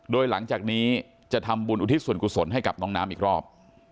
โดยหลังจากนี้จะทำบุญอุทิศส่วนกุศลให้กับน้องน้ำอีกรอบ